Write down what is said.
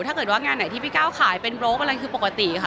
ถ้าเกิดว่างานไหนที่พี่ก้าวขายเป็นโรคอะไรคือปกติค่ะ